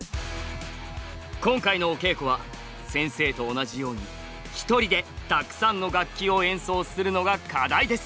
今回のお稽古は先生と同じように一人でたくさんの楽器を演奏するのが課題です。